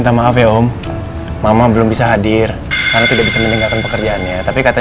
tanaman mama yang baru apa